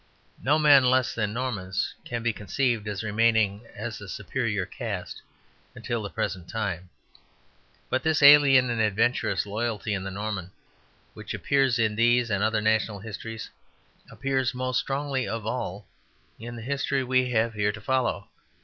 No men less than Normans can be conceived as remaining as a superior caste until the present time. But this alien and adventurous loyalty in the Norman, which appears in these other national histories, appears most strongly of all in the history we have here to follow.